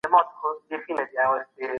ښه اخلاق له بدو اخلاقو څخه غوره دي.